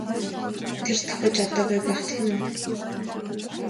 Тэр давхиж одоогүй байх тийм үү?